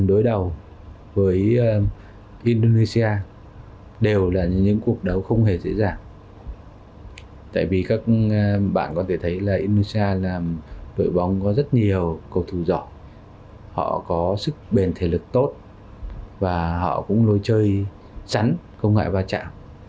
đội bóng có rất nhiều cầu thủ giỏi họ có sức bền thể lực tốt và họ cũng lối chơi sẵn không ngại bà chạm